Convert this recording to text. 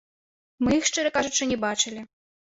Мы іх, шчыра кажучы, не бачылі.